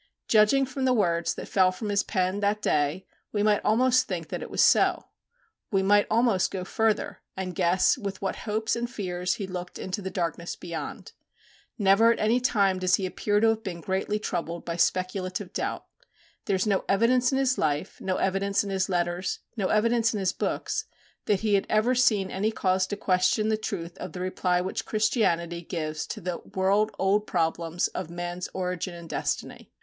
Judging from the words that fell from his pen that day we might almost think that it was so we might almost go further, and guess with what hopes and fears he looked into the darkness beyond. Never at any time does he appear to have been greatly troubled by speculative doubt. There is no evidence in his life, no evidence in his letters, no evidence in his books, that he had ever seen any cause to question the truth of the reply which Christianity gives to the world old problems of man's origin and destiny.